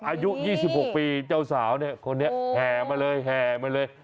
อายุ๒๖ปีเจ้าสาวเนี่ยคนนี้แห่มาเลยแห่มาเลย